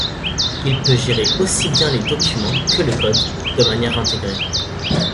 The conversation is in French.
Il peut gérer aussi bien les documents que le code, de manière intégrée.